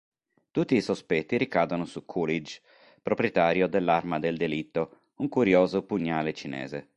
Tutti i sospetti ricadono su Coolidge, proprietario dell'arma del delitto, un curioso pugnale cinese.